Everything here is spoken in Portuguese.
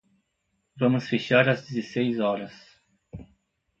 Vamos fechar às dezesseis horas.